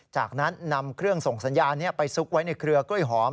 จากนั้นนำเครื่องส่งสัญญานี้ไปซุกไว้ในเครือกล้วยหอม